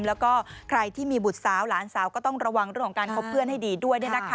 แล้วก็ใครที่มีบุตรสาวหลานสาวก็ต้องระวังเรื่องของการคบเพื่อนให้ดีด้วย